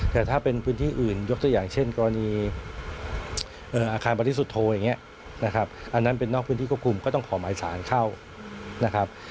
แต่ถ้าเป็นพื้นที่อื่นยกตัวอย่างเช่นกรณีอาคารบริสุทธโธอย่างนี้นะครับอันนั้นเป็นนอกพื้นที่ควบคุมก็ต้องขอหมายสารเข้านะครับ